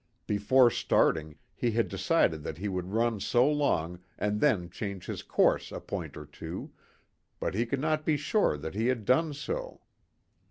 Before starting, he had decided that he would run so long and then change his course a point or two, but he could not be sure that he had done so.